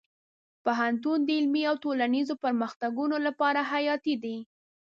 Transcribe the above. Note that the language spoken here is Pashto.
پوهنتون د علمي او ټولنیزو پرمختګونو لپاره حیاتي دی.